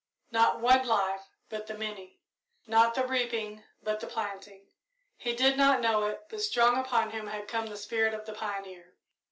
Not one life, but the many not the reaping, but the planting he did not know it, but strong upon him had come the spirit of the pioneer.